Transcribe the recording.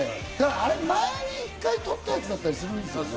あれ、前に１回撮ったやつだったりするんですよね。